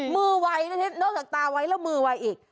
มือไวนะนอกจากตาไว้แล้วมือไวอีก